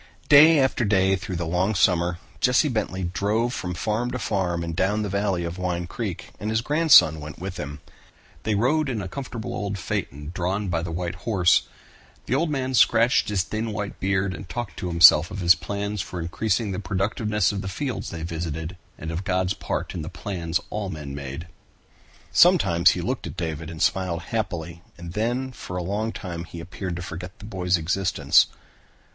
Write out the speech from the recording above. Day after day through the long summer, Jesse Bentley drove from farm to farm up and down the valley of Wine Creek, and his grandson went with him. They rode in a comfortable old phaeton drawn by the white horse. The old man scratched his thin white beard and talked to himself of his plans for increasing the productiveness of the fields they visited and of God's part in the plans all men made. Sometimes he looked at David and smiled happily and then for a long time he appeared to forget the boy's existence.